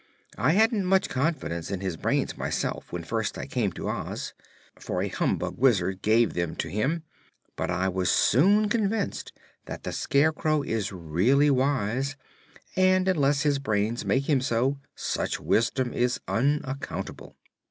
"I hadn't much confidence in his brains myself, when first I came to Oz, for a humbug Wizard gave them to him; but I was soon convinced that the Scarecrow is really wise; and, unless his brains make him so, such wisdom is unaccountable."